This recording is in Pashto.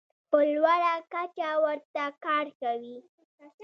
په لوړه کچه ورته کار کوي.